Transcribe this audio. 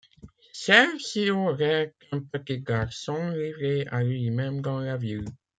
Celle-ci aurait un petit garçon livré à lui-même dans la ville.